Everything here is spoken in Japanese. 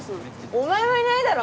お前もいないだろ！